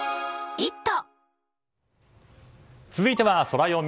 続いてはソラよみ。